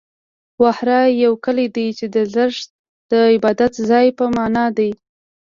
وهاره يو کلی دی، چې د زرتښت د عبادت ځای په معنا دی.